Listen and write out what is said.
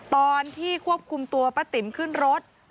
ตอนที่ควบคุมตัวป้าติ๋มขึ้นรถ